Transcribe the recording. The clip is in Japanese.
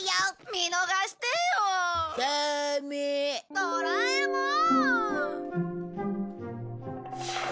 ドラえもん。